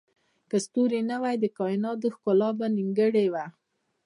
که ستوري نه وای، د کایناتو ښکلا به نیمګړې وای.